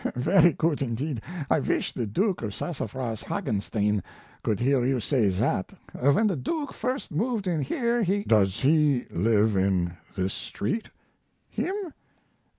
very good, indeed! I wish the Duke of Sassafras Hagenstein could hear you say that. When the Duke first moved in here he " "Does he live in this street?" "Him!